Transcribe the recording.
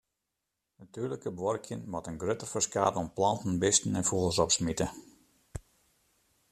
Natuerliker buorkjen moat in grutter ferskaat oan planten, bisten en fûgels opsmite.